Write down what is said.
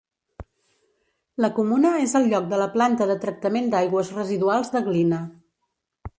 La comuna és el lloc de la planta de tractament d'aigües residuals de Glina.